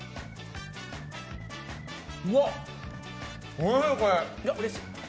おいしい、これ！